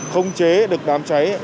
không chế được đàm cháy